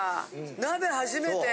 鍋初めて。